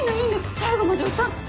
最後まで歌って。